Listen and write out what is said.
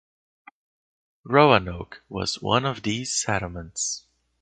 Roanoke was one of these settlements.